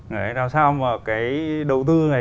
đấy làm sao mà cái đầu tư này